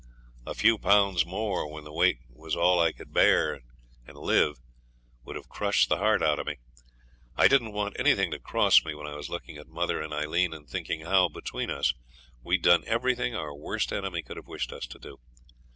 A few pounds more when the weight was all I could bear and live would have crushed the heart out of me. I didn't want anything to cross me when I was looking at mother and Aileen and thinking how, between us, we'd done everything our worst enemy could have wished us to do.